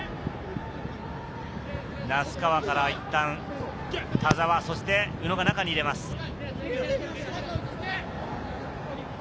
名須川から、いったん田澤、そして宇野が中に入れます。